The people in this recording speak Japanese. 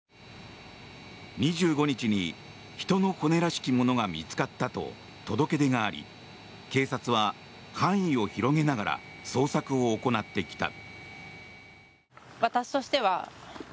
２５日に人の骨らしきものが見つかったと届け出があり警察は範囲を広げながら捜索を行ってきた。